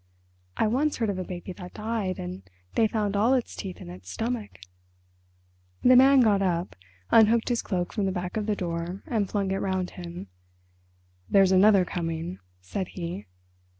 I once heard of a baby that died, and they found all its teeth in its stomach." The Man got up, unhooked his cloak from the back of the door, and flung it round him. "There's another coming," said he.